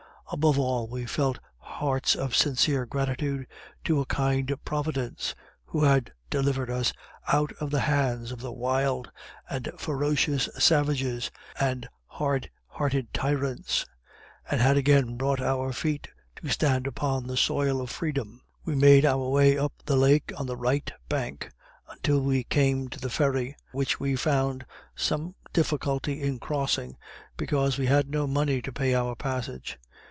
Above all, we felt hearts of sincere gratitude to a kind Providence, who had delivered us out of the hands of wild and ferocious savages, and hard hearted tyrants, and had again brought our feet to stand upon the soil of freedom. We made our way up the lake on the right bank until we came to the ferry, which we found some difficulty in crossing, because we had no money to pay our passage.